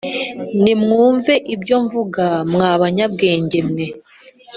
Nimwumve ibyomvuga mwabanyabwenge